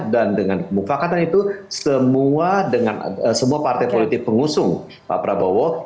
dan dengan kemufakatannya itu semua partai politik pengusung pak prabowo